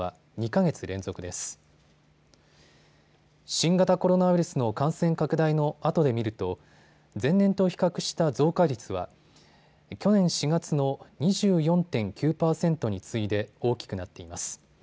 新型コロナウイルスの感染拡大のあとで見ると前年と比較した増加率は去年４月の２４．９％に次いで大きくなっています。